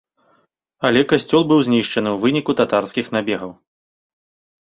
Але касцёл быў знішчаны ў выніку татарскіх набегаў.